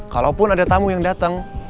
kalaupun ada tamu yang datang